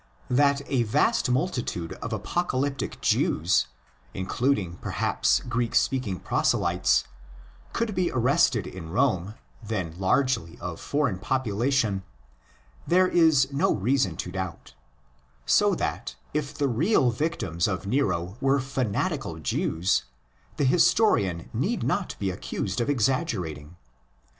That a "vast multitude'' of apocalyptic Jews (including perhaps Greek speaking proselytes) could be arrested in Rome, then largely of foreign population, there is no reason to doubt; so that, if the real victims of Nero were fanatical Jews, the historian need not be accused of exaggerating.